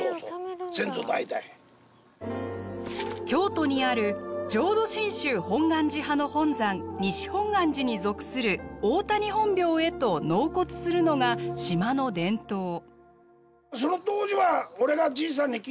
京都にある浄土真宗本願寺派の本山西本願寺に属する大谷本廟へと納骨するのが島の伝統。